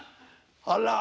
あら。